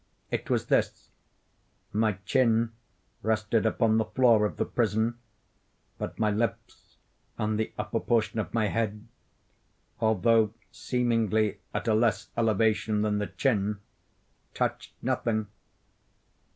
It was this: my chin rested upon the floor of the prison, but my lips and the upper portion of my head, although seemingly at a less elevation than the chin, touched nothing.